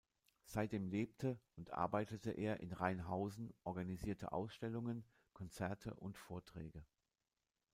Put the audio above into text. Seitdem lebte und arbeitete er in Rheinhausen, organisierte Ausstellungen, Konzerte und Vorträge.